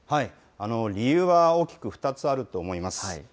理由は大きく２つあると思います。